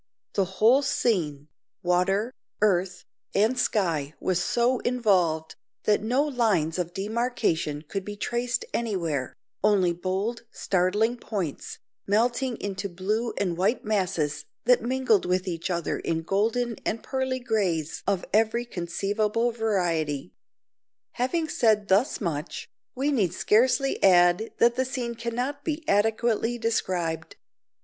The whole scene water, earth, and sky was so involved, that no lines of demarcation could be traced anywhere; only bold startling points, melting into blue and white masses that mingled with each other in golden and pearly greys of every conceivable variety. Having said thus much, we need scarcely add that the scene cannot be adequately described.